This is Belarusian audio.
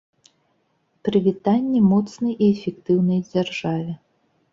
Прывітанне моцнай і эфектыўнай дзяржаве!